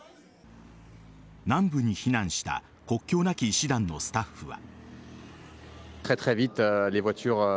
南部に避難した国境なき医師団のスタッフは。